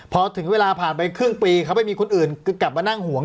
พอถึงเวลาผ่านไปครึ่งปีเขาไปมีคนอื่นกลับมานั่งห่วง